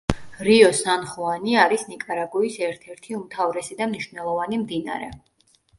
რიო სან ხუანი არის ნიკარაგუის ერთ-ერთი უმთავრესი და მნიშვნელოვანი მდინარე.